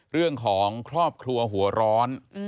เรื่องของครอบครัวหัวร้อน